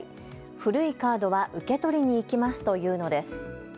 古いカードは受け取りに行きますというのです。